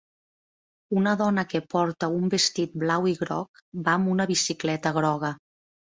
Una dona que porta un vestit blau i groc va amb una bicicleta groga.